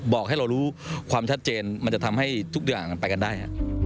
บอกให้เรารู้ความชัดเจนมันจะทำให้ทุกอย่างมันไปกันได้